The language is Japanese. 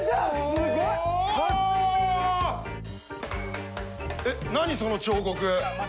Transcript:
すごい！えっ何その彫刻。